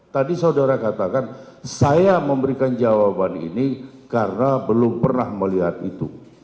tadi saudara katakan saya memberikan jawaban ini karena belum pernah melihat itu